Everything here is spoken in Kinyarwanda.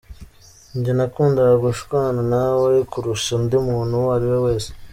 Njye nakundaga gushwana nawe kurusha undi muntu uwo ariwe wese.